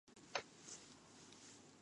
インバウンド